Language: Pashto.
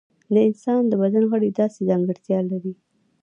د انسان د بدن غړي داسې ځانګړتیا لري.